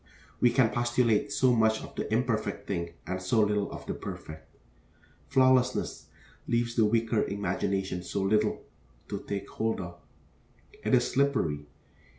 We can postulate so much of the imperfect thing and so little of the perfect. Flawlessness leaves the weaker imagination so little to take hold of: it is slippery.